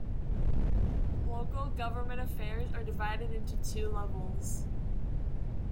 Local government affairs are divided into two levels.